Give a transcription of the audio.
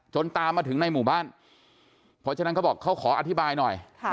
ตามมาถึงในหมู่บ้านเพราะฉะนั้นเขาบอกเขาขออธิบายหน่อย